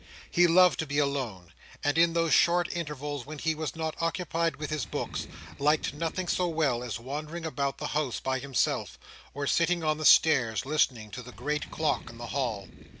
He loved to be alone; and in those short intervals when he was not occupied with his books, liked nothing so well as wandering about the house by himself, or sitting on the stairs, listening to the great clock in the hall.